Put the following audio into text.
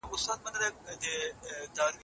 د ټاکنو په ورځ ځانګړی امنیت و.